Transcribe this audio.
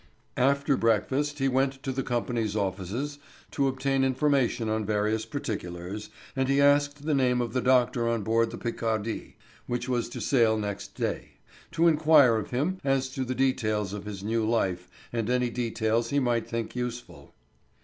After breakfast he went to the Company's offices to obtain information on various particulars, and he asked the name of the doctor on board the Picardie, which was to sail next day, to inquire of him as to the details of his new life and any details he might think useful.